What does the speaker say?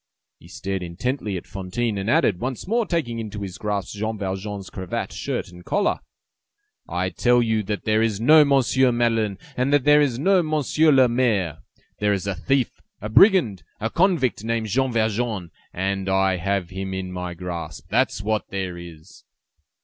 He stared intently at Fantine, and added, once more taking into his grasp Jean Valjean's cravat, shirt and collar:— "I tell you that there is no Monsieur Madeleine and that there is no Monsieur le Maire. There is a thief, a brigand, a convict named Jean Valjean! And I have him in my grasp! That's what there is!"